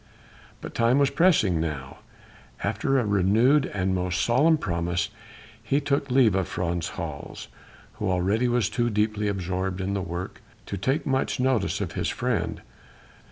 But time was pressing now. After a renewed and most solemn promise he took leave of Frans Hals, who already was too deeply absorbed in work to take much notice of his friend.